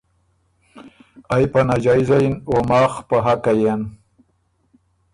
ائ په ناجائزه یِن او ماخ په حقه يېن۔